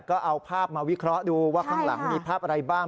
ก็เอาภาพมาวิเคราะห์ดูว่าข้างหลังมีภาพอะไรบ้าง